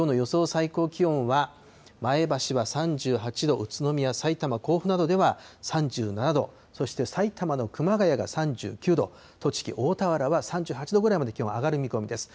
最高気温は、前橋は３８度、宇都宮、さいたま、甲府などでは３７度、そして埼玉の熊谷が３９度、栃木・大田原は３８度ぐらいまで気温が上がる見込みです。